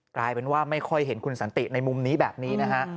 กลายเป็นว่าไม่ค่อยเห็นคุณสันติในมุมนี้แบบนี้นะฮะ